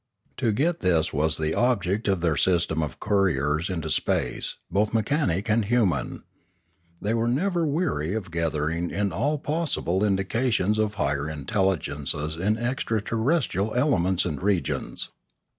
To get this was the object of their system of couriers into space, both mechanic and human. They were never weary of gathering in all possible indications of higher intelligences in extra terrestrial elements and regions.